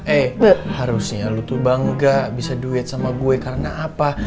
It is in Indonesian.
eh harusnya lu tuh bangga bisa duit sama gue karena apa